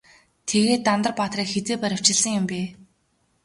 Тэгээд Дандар баатрыг хэзээ баривчилсан юм бэ?